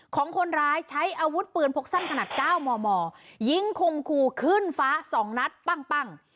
ของคนร้ายใช้อาวุธปืนพกสั้นขนาดเก้าหม่อหม่อยิงคงคู่ขึ้นฟ้าสองนัดปั้งปั้ง